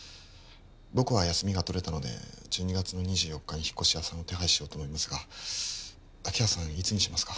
僕は休みが取れたので１２月の２４日に引っ越し屋さんを手配しようと思いますが明葉さんいつにしますか？